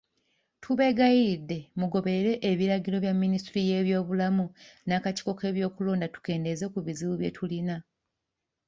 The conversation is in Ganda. Tubeegayiridde mugoberere ebiragiro bya minisitule y'ebyobulamu n'akakiiko k'ebyokulonda, tukendeeze ku bizibu bye tulina.